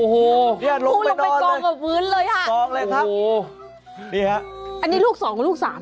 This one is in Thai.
โอ้โหพูดลงไปกองกับพื้นเลยฮะโอ้โหอันนี้ลูกสองหรือลูกสาม